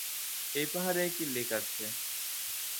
এই পাহাড়ে একটি লেক আছে।